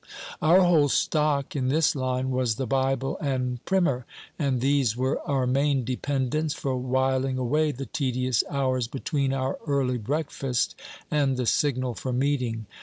Our whole stock in this line was the Bible and Primer, and these were our main dependence for whiling away the tedious hours between our early breakfast and the signal for meeting.